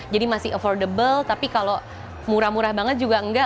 jadi masih affordable tapi kalau murah murah banget juga enggak